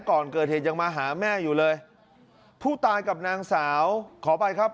ก่อนเกิดเหตุยังมาหาแม่อยู่เลยผู้ตายกับนางสาวขออภัยครับ